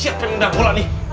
siap pengembang bola nih